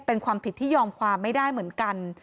เป็นความผิดที่ยอมความไม่ได้เหมือนกัน